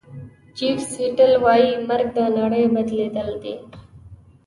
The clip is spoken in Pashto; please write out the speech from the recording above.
چیف سیټل وایي مرګ د نړۍ بدلېدل دي.